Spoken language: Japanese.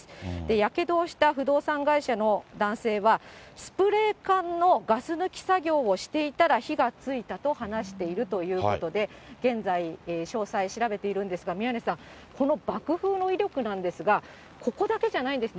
やけどをした不動産会社の男性は、スプレー缶のガス抜き作業をしていたら、火がついたと話しているということで、現在、詳細調べているんですが、宮根さん、この爆風の威力なんですが、ここだけじゃないんですね。